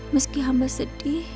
meski hamba sedih